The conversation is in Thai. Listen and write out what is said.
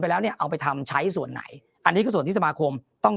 แล้วเนี่ยเอาไปทำใช้ส่วนไหนอันนี้คือส่วนที่สมาคมต้อง